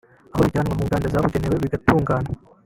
aho bijyanwa mu nganda zabugenewe bigatunganywa